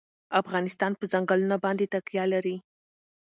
افغانستان په ځنګلونه باندې تکیه لري.